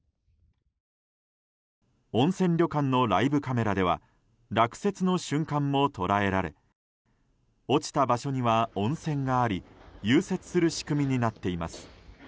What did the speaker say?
温泉旅館のライブカメラでは落雪の瞬間も捉えられ落ちた場所には温泉があり融雪する仕組みになっています。